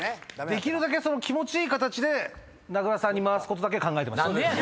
できるだけ気持ちいい形で名倉さんに回すことだけ考えてました。